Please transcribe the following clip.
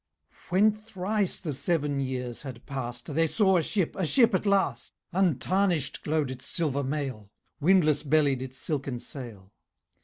When thrice the seven years had passed They saw a ship, a ship at last! Untarnished glowed its silver mail, Windless bellied its silken sail.